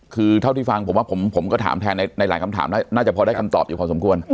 คือเท่าที่ฟังผมว่าผมก็ถามแทนในหลายคำถามน่าจะพอได้คำตอบอยู่พอสมควร